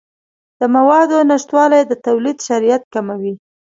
د موادو نشتوالی د تولید سرعت کموي.